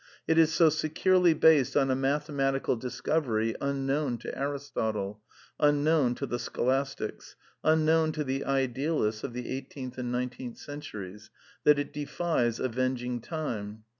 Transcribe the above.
It is so securely based on a mathematical discovery unknown to Aristotle, unknown to the Scholastics, unknown to the Idealists of the eighteenth and nineteenth centuries, that it defies avenging time.